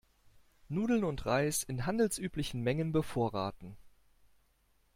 Nudeln und Reis in handelsüblichen Mengen bevorraten.